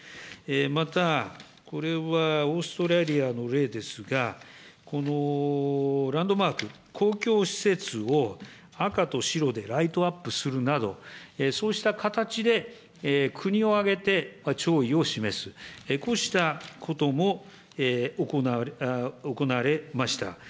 また、これはオーストラリアの例ですが、このランドマーク、公共施設を赤と白でライトアップするなど、そうした形で国を挙げて弔意を示す、こうしたことも行われました。